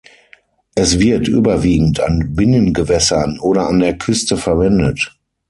Es wird überwiegend an Binnengewässern oder an der Küste verwendet.